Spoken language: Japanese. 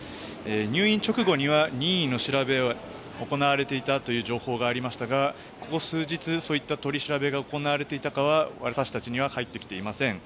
入院直後には任意の調べは行われていたという情報はありましたがここ数日、そういった取り調べが行われていたかは私たちには入ってきていません。